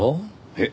えっ？